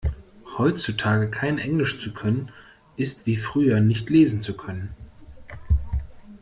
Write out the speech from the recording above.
Heutzutage kein Englisch zu können ist wie früher nicht lesen zu können.